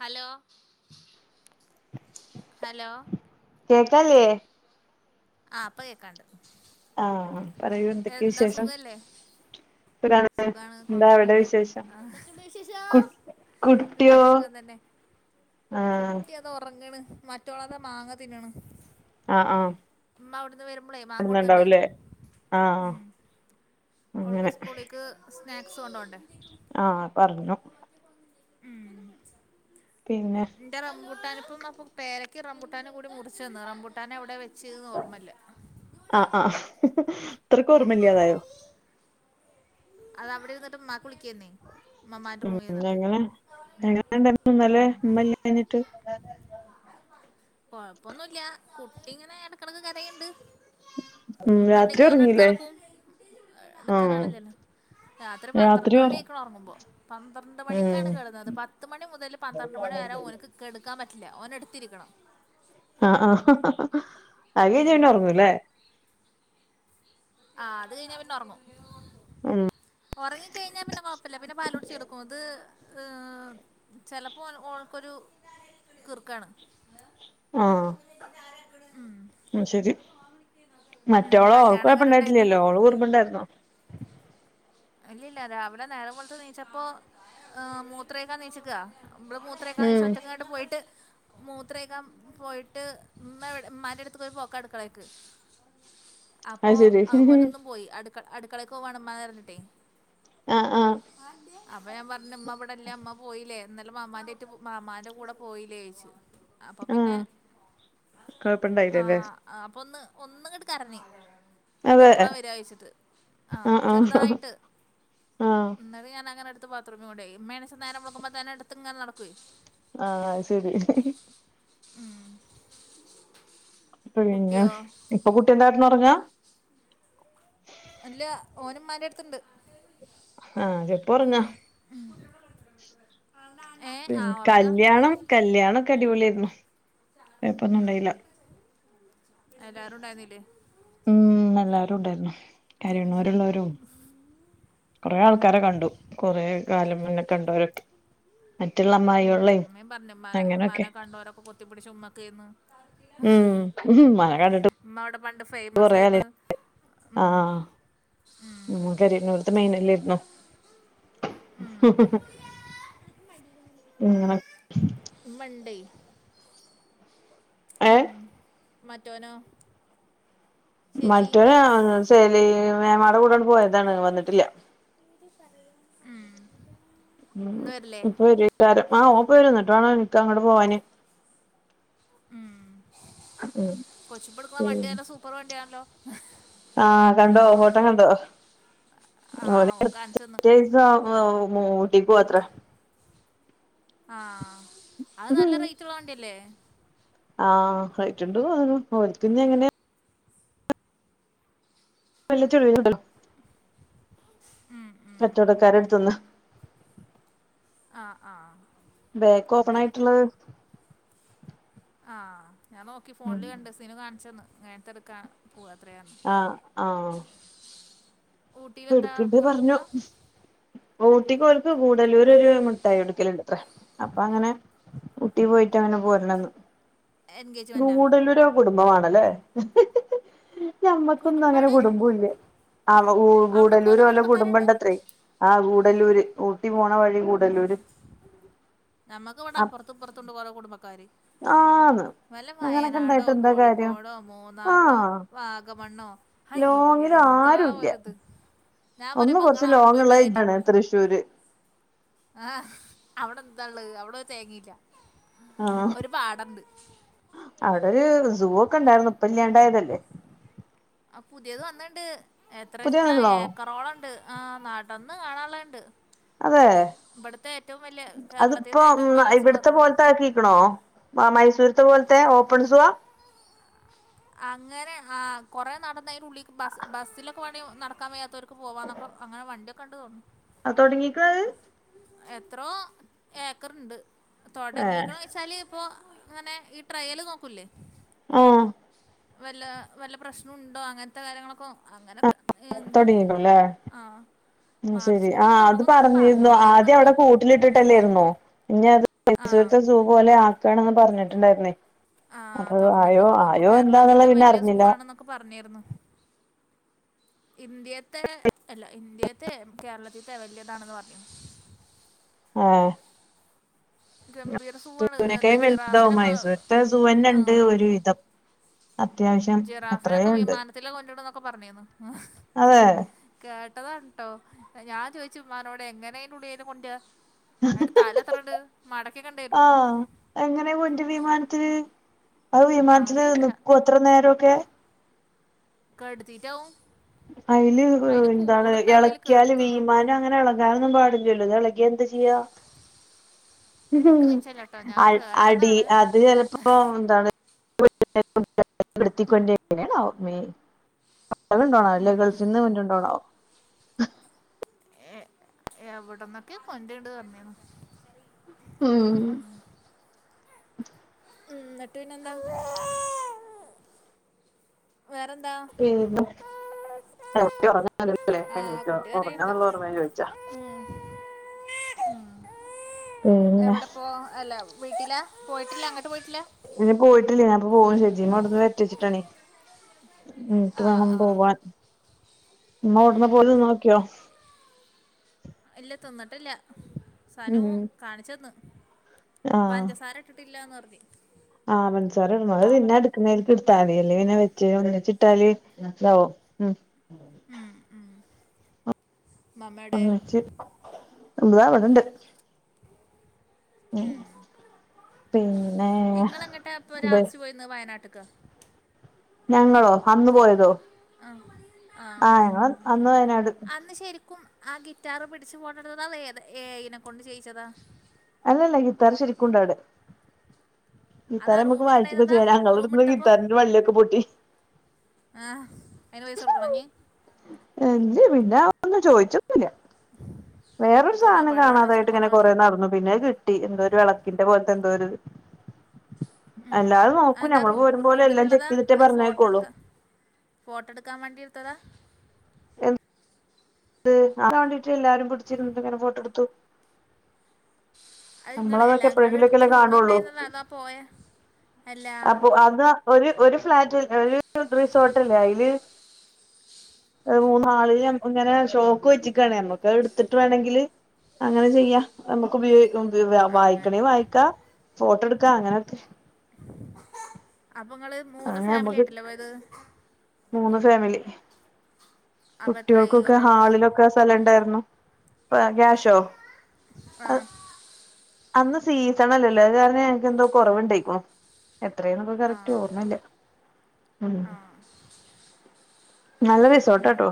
Hello hello കേക്കാലേ ആ ഇപ്പം കേക്കാണ്ട് ആഹ് പറയൂ എന്തൊക്കെ എന്താ വിശേഷം സുഖല്ലേ സുഖാണ് എന്താ അവിടെ കൊഴപ്പൊന്നുല്ല വിശേഷം കു കുട്ടിയോ ഇവിടെം സുഖം തന്നെ ആഹ് ഉറങ്ങണ് മറ്റുള്ളത് മാങ്ങ തിന്നണ് ആഹ് ആഹ് അമ്മാ അവിടുന്ന് വരും ന്നുണ്ടാവല്ലേ ആഹ് ഓക്ക് അങ്ങനെ സ്കൂളിക്ക് സ്നാക്സ് കൊണ്ടോണ്ടെ ആഹ് പർഞ്ഞു ഉം പിന്നെ ഇന്റെ റംബൂട്ടാന്പ്പ പേരയ്ക്കിം റംബുട്ടാനുകൂടി മുറിച്ച് തന്ന് റംബുട്ടാന് എവിടെയ വെച്ചത് ഓർമല്ല ആഹ് ആഹ് അത്രക്ക് ഓർമ്മല്ലാതായോ അത് അവിടിര്ന്ന്ട്ട് ഉമ്മാക്കുളിക്ക്ന്നെ ഉം എങ്ങെനെ എങ്ങനെണ്ടൻ്റെ ഉം ഇന്നലെ ഇമ്മല്ലാഞ്ഞിട്ട് കൊഴപ്പൊന്നുല്ല കുട്ടി ഇങ്ങനെ എടക്കെടക്ക് കരയ്ണ്ട് ഉം രാത്രി ഇമ്മണ്ടെങ്കി ഓനെട്ത്ത് ഒറങ്ങീല്ലേ നടക്കും ആഹ് ഇട്ക്കാനാളില്ലല്ലോ രാത്രി പന്ത്രണ്ട് മണിയായ്ക്ക്ണ് ഒറങ്ങുമ്പോ പന്ത്രണ്ട് മണിക്കാണ് ഉം കെടന്നത് പത്ത് മണി മുതല് പന്ത്രണ്ട് മണി വരെ ഓന്ക്ക് കെടക്കാൻ പറ്റില്ല ഓനട്ത്തിരിക്കണം. ആഹ് ആഹ് ഉം. അത്കഴിഞ്ഞാ ഒറങ്ങൂലെ ആഹ് അത് കഴിഞ്ഞാ പിന്നെ ഒറങ്ങും ഉം ഒറങ്ങിക്കഴിഞ്ഞാ പിന്നെ കൊഴപ്പല്ല പിന്നെ പാലുടിച്ചു കയടക്കും അത് ഏ ചെലപ്പോ ഓൻക്കൊരു കിർക്കാണ് ആഹ് ഉം ഉം ശരി ഉം കല്യാണ ഇല്ലല്ലോ ഓള് കുർമ്പ്ണ്ടായിരുന്നു ഇല്ലല്ല രാവിലെ നേരെ വെള്ത്ത് നീച്ചപ്പം മൂത്രൊയ്ക്കാ നീച്ച്ക്ക ഇവടെ മൂ ത്രൊയ്ക്കാൻ നീച്ച് ഉം ഒറ്റക്കങ്ങട്ട് പോയിട്ട് മൂത്രൊയ്കാം പോയിട്ട് മ്മവിടെ മ്മാൻ്റട്ത്ത് പോയി പോക്കാ അടുക്കളേക്ക് അപ്പോ അത് ശരി അതുപോലെ ഇന്നും പോയി അടുക്ക അടുക്കളേക്കോവാണ് ഇമ്മാനെതെരഞ്ഞിട്ടേ ആഹ് ആഹ് അപ്പൊ ഞാൻ പർഞ്ഞ് ഇമ്മ ഇവടെല്ല ഇമ്മ പോയിലെ ഇന്നലെ മാമാന്റെ ഏറ്റ് മാമാന്റെ കൂടെ പോയിലേയ്ച്ചു അപ്പൊ പിന്നെ ആഹ് കൊഴപ്പണ്ടായില്ലല്ലേ ആഹ് അപ്പൊ ഒന്ന് ഒന്ന്ങ്ങട്ട് കരഞ്ഞ് അതെ എപ്പളാ വരാഴ്ച്ചിട്ട് ആഹ് ചെർതായിട്ട് ആഹ് എന്നിട്ട് ഞാനെടുത്ത് ബാത്റൂമി കൊണ്ടോയി ഇമ്മേണെ ചെന്നാ നേരം വെളുക്കുമ്പം തന്നെ എടുത്ത്ങ്ങനെ നടക്കേ ആഹ് അത് ശെരി ഉം പിന്നെ ഇപ്പൊ കുട്ടിന്താ കെടന്നൊറങ്ങാ അല്ല ഓന് മ്മാന്റട്ത്ത്ണ്ട് ആഹ് ഇപ്പൊറങ്ങ ഉം ഏഹ് കല്ല്യാണം കല്യാണൊക്കെ അടിപൊളിയായിരുന്നു കൊയപ്പൊന്നുണ്ടായില്ല എല്ലാരുണ്ടായിരുന്നില്ലേ ഉം എല്ലാരുണ്ടായിരുന്നു കരയ്ണോലുള്ളോരും കൊറെ ഉം ആൾക്കാരെ കണ്ടു കൊറെ കാലം മുന്നെ കണ്ടോരൊക്കെ മറ്റുള്ള ഉം അമ്മായികളേം ഉമ്മേം പറഞ്ഞു ഇമ്മാനെ അങ്ങനൊക്കെ ഇമ്മാനെ കണ്ടോരൊക്കെ പൊത്തിപ്പിടിച്ച് ഉമ്മക്കേന്ന് ഉം ഉമ്മാനെ കണ്ടിട്ട് ഉമ്മ അവിടെ പണ്ട് ഫെയ് കൊറെ കാലാ [inaudible] ആഹ് ഉം ഉമ്മ [unintelligible] ത്ത മെയിനല്ലായിരുന്നോ ഉം ഇങ്ങന ഉമ്മണ്ടേ ഏ ഉം മറ്റോനോ ചേച്ചി മറ്റോനാണോച്ചാല് മേമേടെ കൂടാണ്ട് പോയതാണ് വന്നിട്ടില്ല ഉം ഇപ്പൊ വരോക്കാരം ആ ഓൻ ഇപ്പം വരും ആ എന്നിട്ട് വേണം എനിക്ക് അങ്ങോട്ട് പോവാന് ഉം കൊച്ചിപ്പടുക്കുന്ന വണ്ടി നല്ല സൂപ്പർ വണ്ടി ആണല്ലോ ആ കണ്ടോ ഫോട്ടോ കണ്ടോ ആ ഓല് ഓൻ കാണിച്ചെന്ന് എടുത്തിട്ട് [unintelligible] അത്രേ ആ അത് നല്ല റേറ്റ്ള്ള വണ്ടിയല്ലേ ആ റേറ്റ്ണ്ട് തോന്നുന്നു ഓൽക്കഞ്ഞ് എങ്ങനെയാ വല്ല [unintelligible] കച്ചവടക്കാരെ എടുത്തുന്ന് ആഹ് ആഹ് ബാക്ക് ഓപ്പൺ ആയിട്ടുള്ളത് ആഹ് ഞാൻ നോക്കി ഫോണിൽ കണ്ട് സീനു കാണിച്ചെന്ന് അങ്ങനത്തെ എടുക്കാ പോവാ അത്രയെന്ന് ആഹ് ആഹ് ഊട്ടിയിലെന്താ ഇടുക്ക്ണ്ട് വെറുതെ പറഞ്ഞോ പോവാ ഊട്ടിക്ക് ഓല്ക്ക് ഗൂഡല്ലൂര് ഒരു മുട്ടായി കൊടുക്കല്ണ്ട് അത്രേ അപ്പൊ അങ്ങനെ ഊട്ടി പോയിട്ട് അങ്ങനെ പോരണന്ന് എൻഗേജ്മെൻറ്റാ ഗൂടല്ലൂര് ഒരു കുടുംബാണല്ലേ ഞമ്മക്കൊന്നും അങ്ങനെ കുടുംബാണ് കുടുംബ ഇല്ലേ ആ അവിടെ ഒക്കെ ഗൂടല്ലൂര് ഓരോ ഓലെ കുടുംബം കുടുംബക്കാരുണ്ട് ഉണ്ടത്രേ ആ ഗൂടല്ലൂര് ഊട്ടി പോണ വഴി ഗൂടല്ലൂര് ഞമ്മക്ക് ഇവിടെ അപ്പുറത്തും ഇപ്പുറത്തുണ്ട് കൊറേ കുടുംബക്കാര് ആന്ന് വല്ല അങ്ങനൊക്കെ വയനാടോ ഇണ്ടായിട്ട് എന്താ കാര്യം കോഴിക്കോടോ മൂന്നാറോ ആഹ് വാഗമണ്ണോ ഹയ്യേ ലോങ്ങില് എന്താ ആരുല്ല ഓരത് ഞാൻ ഒന്ന് പറയുമ്പോ കൊറച്ച് നിങ്ങള് അവിടെ പോയി ലോങ്ള്ള ഇതാണ് പേരേറ്റിക്കോളി തൃശ്ശൂര് ആ അവിടെ എന്താള്ളത് അവിടൊരു തേങ്ങേല്ല ആഹ് ഒരു പാടണ്ട് അവിടെ ഒരു സൂ ഒക്കെ ഇണ്ടായിരുന്നു ഇപ്പല്ലാണ്ടായതല്ലേ ആ പുതിയത് വന്ന്ണ്ട് എത്ര പുതിയ വച്ചിട്ടാ വന്ന്ക്കണോ ഏക്കറോളം ഇണ്ട് ആഹ് നടന്ന് കാണാള്ളണ്ട് അതെ അതിപ്പോ കേരളത്തിലത്തെ ഏറ്റവും വലിയ അസുഖം ഇവിടത്തെ അത്രേ പോലത്തെ ആക്കിക്കണോ മൈസൂര്ത്തെ പോല്ത്തെ ഓപ്പൺ സുവാ അങ്ങനെ ആ കുറേ നടന്ന് അതിന് ഉള്ളിക്ക് ബസ് ബസ്സിലൊക്കെ പോവാണേ നടക്കാൻ വയ്യാത്തവർക്ക് പോകന്നൊക്കെ അങ്ങനെ വണ്ടി ക്കണ്ട് [unintelligible] അ തുടങ്ങീക്ക്ഹ് എത്രോ ഏക്കർണ്ട് ഏഹ് തൊടങ്ങിക്കണോയ്ച്ചാല് ഇപ്പോ ങ്ങനെ ഈ ട്രയല് നോക്കൂല്ലേ ആഹ് വല്ല വല്ല പ്രശ്നുണ്ടോ അങ്ങനത്തെ കാര്യങ്ങളൊക്കെ അങ്ങനൊക്കെ ഏ തൊടങ്ങിക്കണല്ലേ ആഹ് ശരി ആ അത് പറഞ്ഞിരുന്നു ആദ്യം അവിടെ കൂട്ടിലിട്ടിട്ടല്ലേരുന്നോ ഇനി അത് ആ മൈസൂര്ത്തെ സൂ പോലെ ആക്കാണെന്ന് പറഞ്ഞിട്ടുണ്ടായിരുന്നേ ആഹ് അപ്പൊ തൊറന്നിട്ട് ആയോ അപ്പൊ ആയോ എന്താന്നുള്ള കേരളത്തിത്തെ പിന്നെ വല്യ സൂ അറിഞ്ഞില്ല ആണെന്നൊക്കെ പറഞ്ഞിരുന്നു ഇന്ത്യേത്തെ അല്ല ഇന്ത്യേത്തെ കേരളത്തിത്തെ വല്യതാണെന്ന് പറഞ്ഞിരുന്നു ആഹ് ഗംഭീര സൂ ആണ് എന്താ സൂനേക്കായും ജിറാഫിനൊക്കെ ആഹ് രുവിദം അത്യാവിശ്യ ജിറാഫിനൊക്കെ വിമാനത്തില് കൊണ്ടോര്ണ്ട്ന്നൊക്കെ പറഞ്ഞീന്ന് അതെ കേട്ടതാണ് ട്ടോ ഞാൻ ചോയിച്ചു ഉമ്മാനോട് എങ്ങനെ അയിനുള്ളീല് കൊണ്ടര അയിൻ്റെ തലാത്രണ്ട് മടക്കിക്കേണ്ടി വരും ആഹ് എങ്ങനെയ കൊണ്ടരാ വിമാനത്തില് അത് വിമാനത്തില് അറിയില്ല നിക്കോത്ര നേരൊക്കെ കേട്തീട്ടാവും അയില് ന്താണ് അയില് എളക്ക്യാല് കെടുത്തുന്നു വീമാ ഇതങ്ങനെ എളകാനൊന്നും പാടില്ലല്ലോ തെളകിയ എന്ത് ചെയ്യാ ഇക്ക് നിച്ചല്ലട്ടോ ഞാൻ അ അടി കേട്ടതാണ് അത് ചെലപ്പോ ന്താണ് ടുണ്ടണ്ടോ [unintelligible] ഉം [unintelligible] ഏഹ് എവിടന്നൊക്കെ കൊണ്ട്ട് പറഞ്ഞേനു ഉം ഉം ന്നിട്ട് പിന്നെന്താവോ വേറെന്താ പിന്നെ [unintelligible] ആഹ് എണീറ്റോ കുട്ടി കരയ്ണ്ട് ഒറ്ങ്ങാന്നുള്ള ഓർമ്മേ ചോയിച്ചാ ഉം പിന്നെ എവിടെ പോ അല്ല വീട്ടില പോയിട്ടില്ല അങ്ങട്ട് പോയിട്ടില്ല ഇല്യ പോയിട്ടില്യ ഞാന് പോകും ചേച്ചി ഇങ്ങോട്ടൊന്ന് വെര്ത്തി വച്ചിട്ടാണേ എന്നിട്ട് ആഹ് വേണം ആഹ് പോവാൻ ഇമ്മ വിടന്ന് പോലും നോക്കിയോ ഇല്ല തിന്നിട്ടില്ല സനു ഉം കാണിച്ചന്ന് ആഹ് പഞ്ചസാര ഇട്ട്ട്ടില്ലാന്നറഞ്ഞ് ആഹ് പഞ്ചസാരയാണ്ന്ന് അത് തിന്നാന് [unintelligible] [unintelligible] നെ വെച്ച് ഒന്ന്ചിട്ടാല് താവോ ഉ ഉം ഉം മമ്മേടെ [unintelligible] ഉം പിന്നെ ഇങ്ങളെങ്ങട്ടാ ഇപ്പൊ ഇത് ലാസ്റ്റ് പോയിന്ന് വയനാട്ട്ക്ക? ഞങ്ങളോ അന്ന് പോയതോ? അഹ് ആഹ് ഞങ്ങള് അന്ന് വയനാട് അന്ന് ശരിക്കും ആ ഗിറ്റാറ് പിടിച്ച് പോണെടുത ല്ല ഏത ഏയൈനെ കൊണ്ട് ചെയിച്ചതാ അല്ലല്ല ഗിറ്റാർ ശരിക്കുംണ്ടാരുന്നു അതാ ഗിറ്റാറമ്മക്ക് വായിച്ചപ്പൊ റൂമിലുണ്ടായിരുന്നതാ ചെയ റൂം ഞങ്ങളടുത്ത്ന്ന് ഗിറ്റാറിന്റെ വള്ളിയൊക്കെ പൊട്ടി ആഹ് അയിന് പൈസടുക്കണൊനി എഞ്ഞി പിന്നാവം വന്ന്ചോയിച്ചൊന്നുല വേറൊരു അതോടാ സാനം പള്ളവിടെ കാണാതായിട്ട് വെച്ചിട്ട് ഇങ്ങനെ പോന്നാൽ മതി കൊറെ നടന്നു പിന്നെ എന്തോ ഒരു വെളക്കിന്റെ പോലത്തെ എന്തോരു ഉം. എല്ലാത് നോക്കൂ അതെന്താ ഞമ്മള് റൂ പോരും പോലെ എല്ലാം റൂമിലുള്ളതാ ചെക്കെയ്തിട്ടേ പറഞ്ഞയക്കുള്ളൂ ഫോട്ടടുക്കാൻ വണ്ടിർത്തതാ എൻ ത് [unintelligible] വാണ്ടീട്ട് എല്ലാരും പിടിച്ചിരുന്ന്ട്ട്ങ്ങനെ ഫോട്ടോ എടുത്തു അത്ങ്ങള് അല്ല നമ്മളതൊക്കെ ങ്ങള്ട്ത്ത എപ്പോഴെങ്കിലൊക്കെല്ലേ കാണുള്ളൂ റൂമിണ്ടായിന്നതാ അതാ പോയെ അപ്പൊ അതാ ഒര് ഒര് ഫ്ലാറ്റ് ഒര് റിസോർട്ടല്ലേ അയില് അത്‌ മൂന്ന്ഹാളില് ഇങ്ങനെ ഷോക്ക് വെച്ച്ക്കാണർഞ്ഞു നമുക്കത്ട്ത്തിട്ട് വേണങ്കില് അങ്ങനെ ചെയ്യാ നമുക്ക് ഉപയോഗി ഉപയോഗിക്കാ അങ്ങനെ വായിക്കണേ വായിക്കാ ഫോട്ടോ എടുക്കാ അങ്ങനൊക്കെ അപ്പൊങ്ങള് അങ്ങനെ നമ്മക്ക് മൂന്ന് ഫാമിലി അപ്പം എത്ര ഈ കുട്ടിയൊക്കൊക്കെ ഒരാൾക്ക് ഹാളിലൊക്കെ സ്ഥലണ്ടായിരുന്നു ആ ക്യാശോ ആഹ് അന്ന് സീസണല്ലല്ലോ അത് കാരണം ഞങ്ങക്കെന്തോ കൊറവ്ണ്ടായിക്ക്ണു എത്രേന്ന്പ്പൊ ആ കറക്റ്റ് ഓർമ്മല്ല ഉം [inaudible] നല്ല ഉം. റിസോട്ടാട്ടോ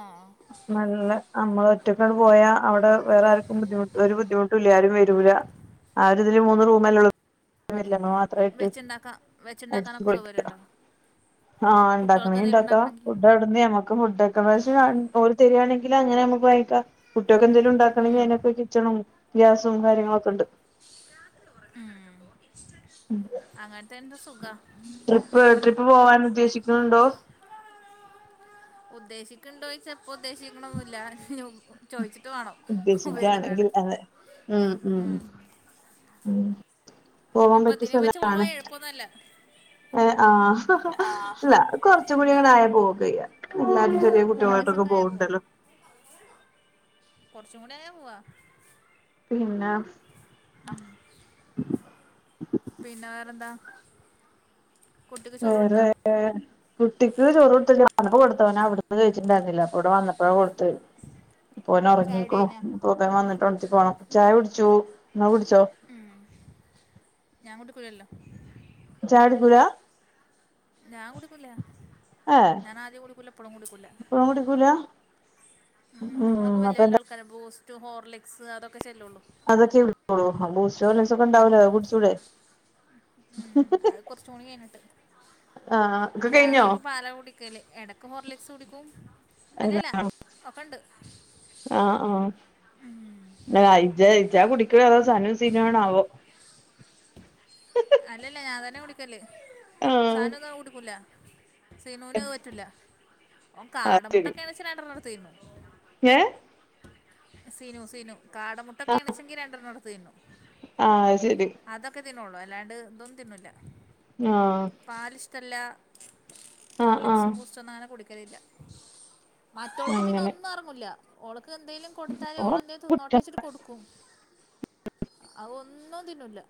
ആ ആഹ് നല്ല നമ്മള് ഒറ്റക്കങ്ങ് പോയാ അവിടെ വേറാർക്കും ബുദ്ധിമുട്ട് ഒരു ബുദ്ധിമുട്ടൂല്ലാ ആരും വെരു റ്റൂല ആരിതില് മൂന്ന് റൂമല്ലെള്ളൂ ല്ലണോ മാത്രായിട്ട് വെച്ചുണ്ടാക്കാൻ അടിച്ച് വെച്ചുണ്ടാക്കാനൊക്കെ പൊളിക്കാ സൗകര്യമുണ്ടോ ആഹ് കുട്ടികൾക്ക് ണ്ടാക്കണേ എന്തെങ്കിലും ണ്ടാക്കാ ഉണ്ടാക്കണമെങ്കിൽ ഫുഡവിടുന്ന് ഞങ്ങ ക്ക് ഫുഡൊക്കെ പക്ഷേ [unintelligible] ഓര് തെരാണങ്കില് അങ്ങനെ നമുക്ക് വാങ്ങിക്കാ കുട്യാക്ക് എന്തേലും ണ്ടാക്കണെങ്കി ഉം. അയിനൊക്കെ കിച്ചണും ഗ്യാസും കാര്യങ്ങളൊക്കെണ്ട് ഉം ഉം അങ്ങനത്തെ എന്റെ സുഖാ ട്രിപ്പ് ട്രിപ്പ് പോവാൻ ഉദ്ദേശിക്ക്ണ് ണ്ടോ ഉദ്ദേശിക്ക്ണ്ടോ ചോയിച്ചാ പ്പൊ ഉദ്ദേശിക്ക്ണൊന്നുല്ല നു ചോയ്ച്ചിട്ട് വാണം ഉബൈദിക്കാട് ഉദ്ദേശിക്കുകയാണെങ്കിൽ അതെ ഉം ഉം ഉം. പോവാൻ ഇനിയിപ്പോ പറ്റിയ ഇതിനെ വെച്ച് സ്ഥലാണ് പോവാൻ എളുപ്പമൊന്നുമല്ല എ ആഹ് ആഹ് ല്ല കൊർച്ചും കൂടി ഇങ്ങണ്ടായ പോകയ്യാ എല്ലാരും ചെറിയ കു കുട്ടിവായിട്ടെക്കെ പോക്ണ്ടല്ലോ കൊർച്ചുംകൂടി ആയാപോവാ പിന്നെ അം പിന്നെ വേറെന്താ കുട്ടിക്ക് ചോറ് വേറേ കൊടുത്താ കുട്ടിക്ക് ചോറ് കൊടുത്തി [unintelligible] വന്നപ്പോ കൊടുത്ത അവനവിടുന്ന് കഴിച്ചിണ്ടാര്ന്നില്ല അപ്പവിടെ വന്നപ്പോയാ കൊടുത്ത് ഇപ്പോന് ചായ കുടി ഉറങ്ങീക്കുണു കഴിഞ്ഞാ പോ തെ വന്നിട്ട് ഓണത്തിക്കോണം ചായ കുടിച്ചു ങ്ങള് കുടിച്ചോ ഉം ഞാൻ കുടിക്കൂലല്ലോ ചായടിക്കൂലാ ഞാൻ കുടിക്കൂല ഏഹ് ഞാൻ ആദ്യം കുടിക്കൂല ഇപ്പളും കുടിക്കൂല ഇപ്പളും കുടിക്കൂല ഉം ഉം നമ്മളൊക്കെ വല്ല്യ അപ്പൊ വല്ല്യ എന്താ ആൾ ക്കാര് ബൂസ്റ്റ് ഹോർലിക്സ് അതൊക്കെ ചെല്ലുള്ളു അതൊക്കെ കുടിക്കൊള്ളു അപ്പൊ ബൂസ്റ്റും ഹോർലിക്സൊക്കെ ണ്ടാവൂലെ അത് കുടിച്ചൂടെ ഉം അത് കൊറച്ചൂ കൂടി കഴിഞ്ഞിട്ട് ആഹ് ഒക്കെ കഴിഞ്ഞോ രാത്രി ഇപ്പൊ പാലാ കുടി ക്കല് എടക്ക് ഹോർലിക്സ് കുടിക്കും അല്ലല്ല ഒക്കണ്ട് ആ ആഹ് അയ് ഇജ്ജാ ഇജ്ജാ കുടിക്ക്ണ് അതോ സനും സിനു ആണാവോ അല്ലല്ല ഞാൻ തന്നെ കുടിക്കല് ആഹ് സാനന്നും അത്‌ കുടിക്കൂലാ സിനൂന് അത് പറ്റൂല്ല ഓൻ കാടമുട്ടൊക്കെണെച്ച രണ്ട്രണ്ണം എടുത്ത് തിന്നും ഏഹ് സിനു സിനു ആഹ് കാടമുട്ടൊക്കേണച്ചെങ്കി രണ്ട്രണ്ണം എടുത്ത് തിന്നും ആഹ് അത്ശരി അതൊക്കെ തിന്നുള്ളു അല്ലാണ്ട് തൊന്നും തിന്നൂല്ല ആഹ് പാല് ഇഷ്ടല്ല ആഹ് ആഹ് ഹോർലിക്സും ബൂസ്റ്റൊന്നും അങ്ങനെ കുടിക്കലില്ല. മറ്റോൾക്ക് പിന്നെ അങ്ങനെ ഒന്നും എറങ്ങൂല്ല ഓള്ക്ക് എന്തേലും കൊടുത്താല് ഓൾ എന്തേ തിന്നോട്ടേചിട്ട് കൊട്ക്കും അഹ് ഒന്നും തിന്നൂല്ല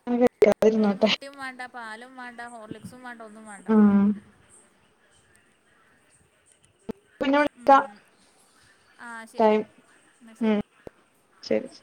[unintelligible] അയ്ന് മുട്ടിം വേണ്ട പാലും വാണ്ട ഹോർലിക്സും വാണ്ട ഒന്നും വാണ്ട ഉം പിന്നെ ഉം വിളിക്കാം ആഹ് ശെരി ടൈം ന്നാ ഉം ശെരി ശരി